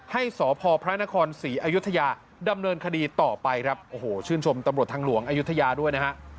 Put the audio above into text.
ให้สพพระนครศรีอยุธยาดำเนินคดีต่อไปครับโอ้โหชื่นชมตำรวจทางหลวงอายุทยาด้วยนะฮะ